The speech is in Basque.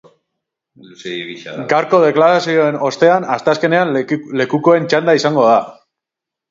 Gaurko deklarazioen ostean, asteazkenean lekukoen txanda izango da.